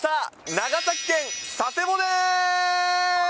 長崎県佐世保です。